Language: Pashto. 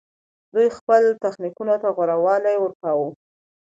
دوی خپل تخنیکونو ته غوره والی ورکاوه